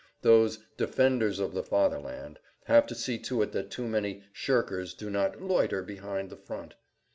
Those "defenders of the Fatherland" have to see to it that too many "shirkers" do not "loiter" behind the front.